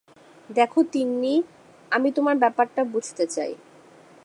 দেখ তিন্নি, আমি তোমার ব্যাপারটা বুঝতে চাই।